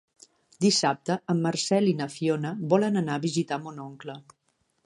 Dissabte en Marcel i na Fiona volen anar a visitar mon oncle.